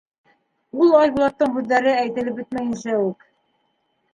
Ул Айбулаттың һүҙҙәре әйтелеп бөтмәйенсә үк: